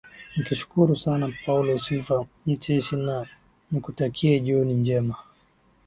nikushukuru sana paulo silva mcheshi na nikutakie jioni njema